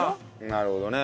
なるほどね。